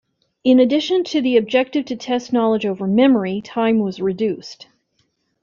In addition to the objective to test knowledge over memory, time was reduced.